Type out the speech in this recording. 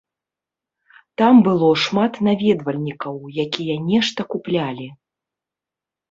Там было шмат наведвальнікаў, якія нешта куплялі.